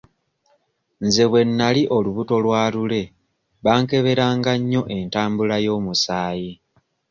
Nze bwe nali olubuto lwa Lule bankeberanga nnyo entambula y'omusaayi.